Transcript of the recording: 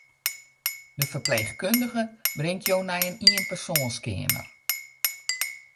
De ferpleechkundige bringt jo nei in ienpersoanskeamer.